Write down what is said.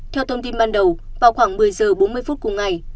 theo thông tin ban đầu vào khoảng một mươi giờ bốn mươi phút cùng ngày